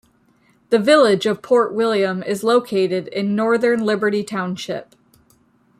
The village of Port William is located in northern Liberty Township.